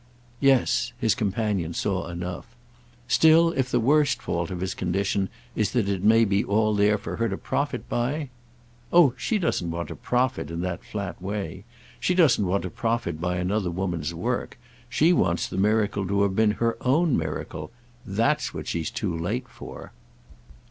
"Yes"—his companion saw enough. "Still, if the worst fault of his condition is that it may be all there for her to profit by—?" "Oh she doesn't want to 'profit,' in that flat way. She doesn't want to profit by another woman's work—she wants the miracle to have been her own miracle. That's what she's too late for."